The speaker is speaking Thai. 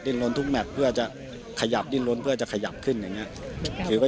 ล้นทุกแมทเพื่อจะขยับดิ้นล้นเพื่อจะขยับขึ้นอย่างนี้